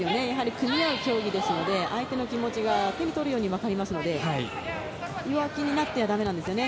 組み合う競技ですので相手の気持ちが手に取るように分かりますので弱気になってはだめなんですね。